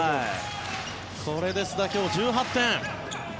これで須田今日、１８点。